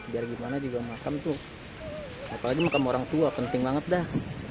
biar gimana juga makam tuh apalagi makam orang tua penting banget dah